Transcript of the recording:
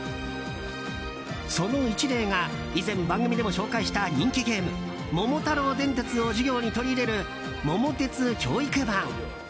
その一例が以前、番組でも紹介した人気ゲーム「桃太郎電鉄」を授業に取り入れる「桃鉄教育版」。